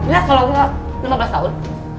ya kalau enggak lima belas tahun